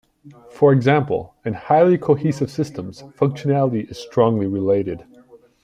For example, in highly cohesive systems functionality is strongly related.